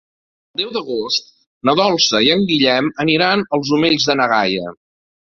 El deu d'agost na Dolça i en Guillem aniran als Omells de na Gaia.